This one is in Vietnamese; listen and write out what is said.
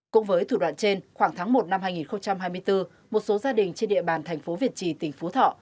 cũng với thủ đoạn trên khoảng tháng một năm hai nghìn hai mươi bốn một số gia đình trên địa bàn thành phố việt trì tỉnh phú thọ